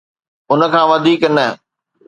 ان کان وڌيڪ نه.